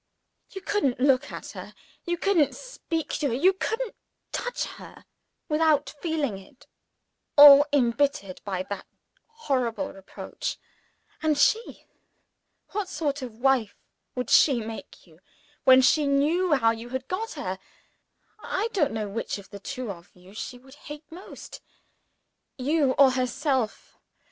You couldn't look at her, you couldn't speak to her, you couldn't touch her, without feeling it all embittered by that horrible reproach. And she? What sort of wife would she make you, when she knew how you had got her? I don't know which of the two she would hate most you or herself.